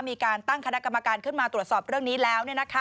มีการตั้งคณะกรรมการขึ้นมาตรวจสอบเรื่องนี้แล้ว